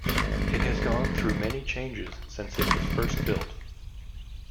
It has gone through many changes since it was first built.